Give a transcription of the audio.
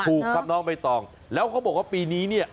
ถูกครับน้องใบตองแล้วเขาบอกว่าปีนี้เนี่ย